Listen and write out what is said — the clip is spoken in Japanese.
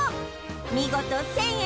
見事１０００円